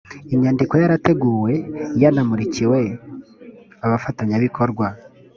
inyandiko yarateguwe yanamurikiwe abafatanyabikorwa